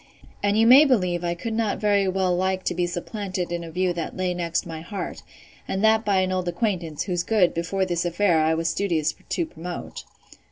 And you may believe I could not very well like to be supplanted in a view that lay next my heart; and that by an old acquaintance, whose good, before this affair, I was studious to promote.